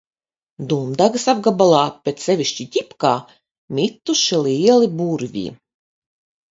Dundagas apgabalā, bet sevišķi Ģipkā, mituši lieli burvji.